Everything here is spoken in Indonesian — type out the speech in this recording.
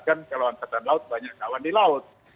kan kalau angkatan laut banyak kawan di laut